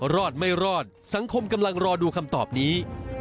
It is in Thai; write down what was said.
รอดไม่รอดสังคมกำลังรอดูคำตอบนี้